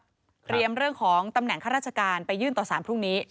เตรียมเรื่องของตำแหน่งข้าราชการไปยื่นต่อสารพรุ่งนี้